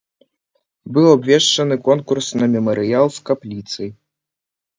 Быў абвешчаны конкурс на мемарыял з капліцай.